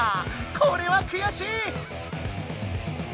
これはくやしい！